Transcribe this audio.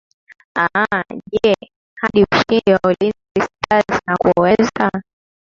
aa je hadi ushindi wa ulinzi stars nakuweza